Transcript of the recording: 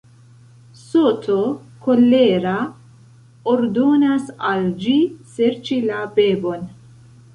Soto, kolera, ordonas al ĝi serĉi la bebon.